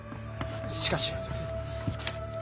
しかし。